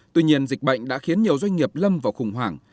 tuy nhiên dịch bệnh đã khiến nhiều doanh nghiệp lâm vào khủng hoảng